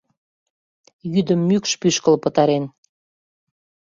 Йӱдым мӱкш пӱшкыл пытарен.